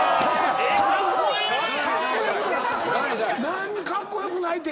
何もカッコ良くないって。